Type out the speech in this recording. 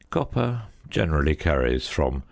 Copper generally carries from 0.